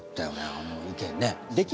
あの意見ね。